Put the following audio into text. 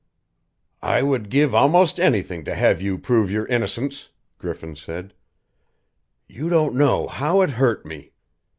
"I would give almost anything to have you prove your innocence," Griffin said. "You don't know how it hurt me.